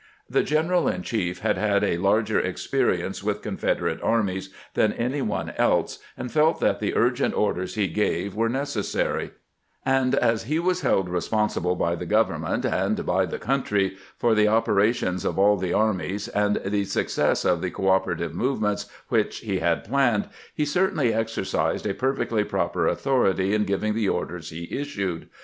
The general in chief had had a larger experience with Confederate armies than any one else, and felt that the urgent orders he gave were neces sary ; and as he was held responsible by the government and by the country for the operations of all the armies, and the success of the cooperative movements which he had planned, he certainly exercised a perfectly proper authority in giving the orders he issued.